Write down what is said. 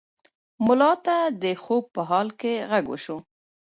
ملا ته د خوب په حال کې غږ وشو.